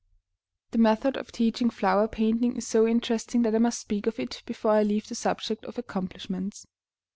The method of teaching flower painting is so interesting that I must speak of it before I leave the subject of accomplishments.